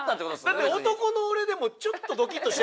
だって男の俺でもちょっとドキッとした。